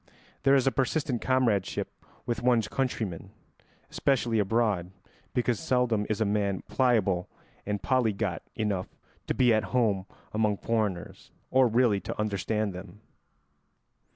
There is a persistent comradeship with one's countrymen, especially abroad, because seldom is a man pliable and polyglot enough to be at home among foreigners, or really to understand them.